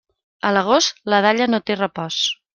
A l'agost, la dalla no té repòs.